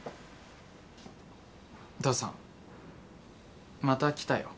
父さんまた来たよ